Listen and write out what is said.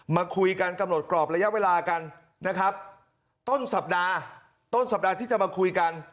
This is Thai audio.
มาคุยกันกำหนดกรอบระยะเวลากันนะครับต้นสัปดาห์ต้นสัปดาห์ที่จะมาคุยกัน